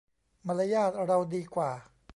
มารยาทเราดีกว่า